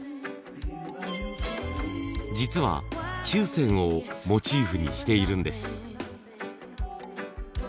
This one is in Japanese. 実は注染をモチーフにしているんです。